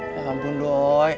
ya ampun doi